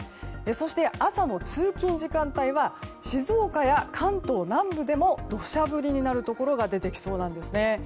そして、朝の通勤時間帯は静岡や関東南部でも土砂降りになるところが出てきそうなんですね。